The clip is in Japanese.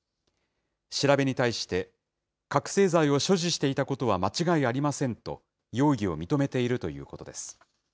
調べに対して、覚醒剤を所持していたことは間違いありませんと、容疑を認めているということです。